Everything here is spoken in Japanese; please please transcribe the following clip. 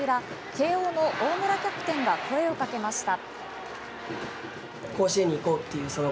慶応の大村キャプテンが声をかけました。